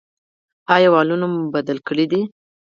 ایا والونه مو بدل کړي دي؟